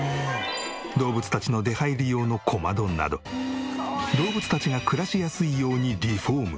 動物たちの出入り用の小窓など動物たちが暮らしやすいようにリフォーム。